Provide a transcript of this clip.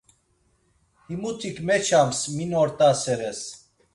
Himutik meçams min ort̆aseres.